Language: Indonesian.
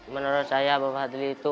menurut saya bang fadli itu